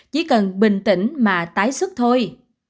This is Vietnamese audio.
chỉ cần bình tĩnh mà tái xuất thôi